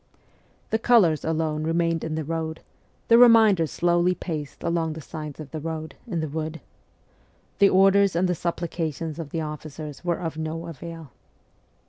The colours alone remained in the road ; the remainder slowly paced along the sides of the road, in the wood. The orders and the supplications of the officers were of no avail.